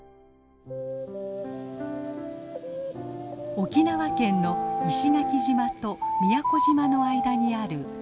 沖縄県の石垣島と宮古島の間にある多良間島。